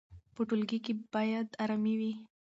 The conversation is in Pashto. په ټولګي کې باید ارامي وي.